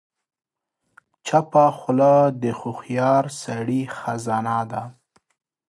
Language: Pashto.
چپه خوله، د هوښیار سړي خزانه ده.